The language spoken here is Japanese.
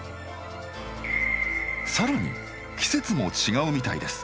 さらに季節も違うみたいです。